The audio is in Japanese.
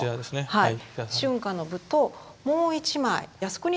はい。